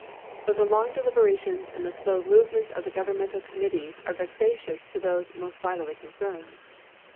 But the long deliberations and the slow movements of the governmental committees are vexatious to those most vitally concerned.